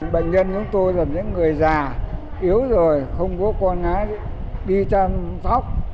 bệnh nhân chúng tôi là những người già yếu rồi không có con gái đi chăm sóc